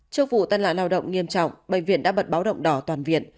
trước vụ tàn lạc lao động nghiêm trọng bệnh viện đã bật báo động đỏ toàn viện